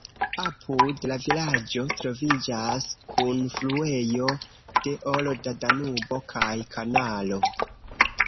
Apud la vilaĝo troviĝas kunfluejo de olda Danubo kaj kanalo.